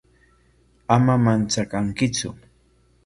Ama manchakankitsu.